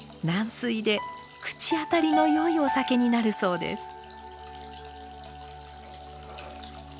軟水で口当たりのよいお酒になるそうです。